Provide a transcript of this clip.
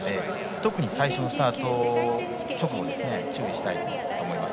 特に最初のスタート直後注意したいと思います。